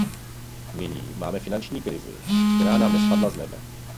Nyní máme finanční krizi, která nám nespadla z nebe.